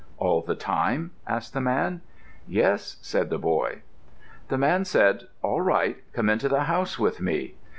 "All the time?" asked the man. "Yes," said the boy. The man said, "All right. Come into the house with me."